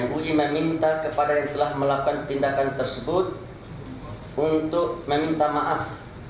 mui meminta kepada yang telah melakukan tindakan tersebut untuk meminta maaf